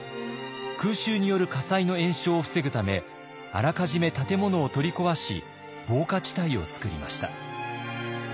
空襲による火災の延焼を防ぐためあらかじめ建物を取り壊し防火地帯を作りました。